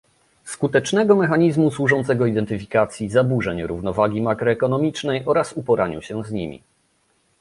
skutecznego mechanizmu służącego identyfikacji zaburzeń równowagi makroekonomicznej oraz uporaniu się z nimi